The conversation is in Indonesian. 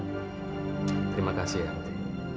terima kasih eyamti